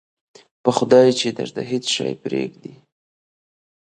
په خدای چې درته هېڅ شی پرېږدي.